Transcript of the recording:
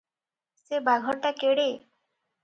ସେ ବାଘଟା କେଡେ!